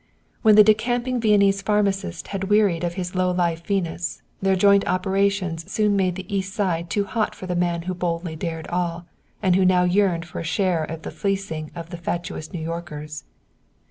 When the decamping Viennese pharmacist had wearied of his low life Venus, their joint operations soon made the East Side too hot for the man who boldly dared all, and who now yearned for a share of the fleecing of the fatuous New Yorkers.